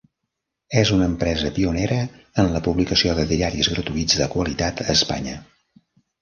És una empresa pionera en la publicació de diaris gratuïts de qualitat a Espanya.